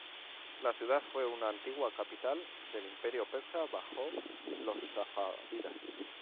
La ciudad fue una antigua capital del imperio persa bajo los safávidas.